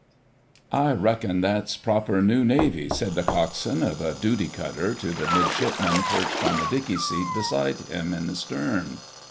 * "I reckon that's proper 'New Navy,'" said the coxswain of a duty cutter to the midshipman perched on the "dickey" seat beside him in the stern.